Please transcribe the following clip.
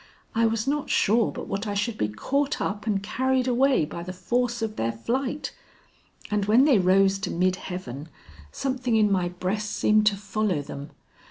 I was not sure but what I should be caught up and carried away by the force of their flight; and when they rose to mid heaven, something in my breast seemed to follow them.